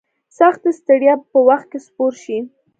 سختي ستړیا په وخت کې سپور شي.